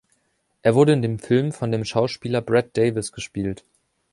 Er wurde in dem Film von dem Schauspieler Brad Davis gespielt.